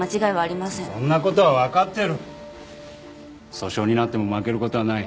訴訟になっても負ける事はない。